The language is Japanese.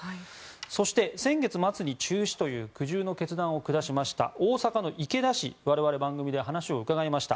そして、先月末に中止という苦渋の決断をしました大阪の池田市我々番組で話を伺いました。